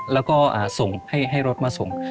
แล้วก็ส่งให้รถมาส่ง